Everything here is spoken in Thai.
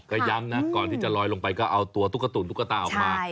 ก็ย้ำนะก่อนที่จะลอยลงไปก็เอาตัวตุ๊กตุ๋นตุ๊กตาออกมา